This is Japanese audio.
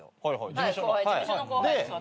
事務所の後輩です私が。